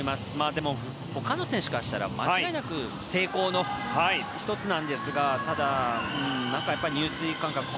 でも他の選手からしたら間違いなく成功の１つなんですがただ、入水感覚が。